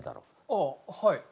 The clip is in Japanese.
ああはい。